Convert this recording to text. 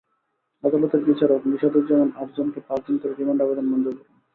আদালতের বিচারক নিশাদুজ্জামান আটজনকে পাঁচ দিন করে রিমান্ড আবেদন মঞ্জুর করেন।